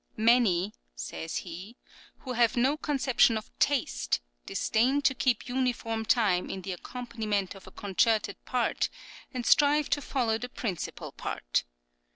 "Many," says he (p. 262), "who have no conception of taste, disdain to keep uniform time in the accompaniment of a concerted part, and strive to follow the principal part.